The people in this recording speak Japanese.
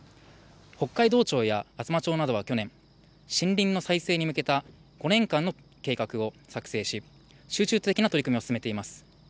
北海道庁や厚真町などは去年、森林の再生に向けた５年間の計画を作成し、集中的な取り組みを進めています。